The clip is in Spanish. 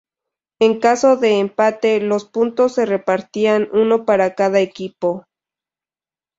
En caso de empate los puntos se repartían, uno para cada equipo.